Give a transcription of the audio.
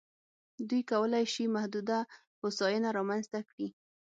دوی کولای شي محدوده هوساینه رامنځته کړي.